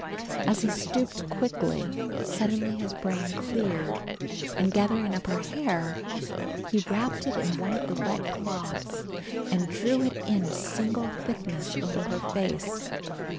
As he stooped quickly, suddenly his brain cleared, and, gathering up her hair, he wrapped it in one of the wet cloths and drew it in a single thickness over her face.